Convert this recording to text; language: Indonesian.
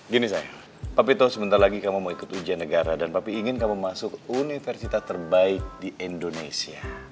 gini sayang papa tau sebentar lagi kamu mau ikut ujian negara dan papa ingin kamu masuk ke universitas terbaik di indonesia